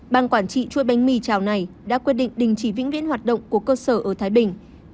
ban quản trị chuỗi bánh mì trào này đã quyết định đình chỉ vĩnh viễn hoạt động của cơ sở ở thái bình